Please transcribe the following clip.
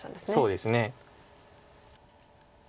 そうですね。